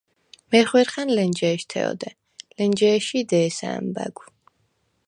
მეხვირხა̈ნ ლენჯე̄შთე ოდე, ლენჯე̄ში დე̄სა ა̈მბა̈გვ.